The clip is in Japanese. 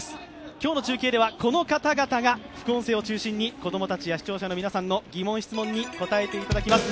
今日の中継ではこの方々が副音声を中心に子供たちや視聴者の皆さんの疑問質問に答えていただきます。